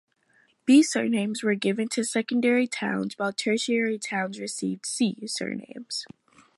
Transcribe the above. "B" surnames were given to secondary towns while tertiary towns received "C" surnames.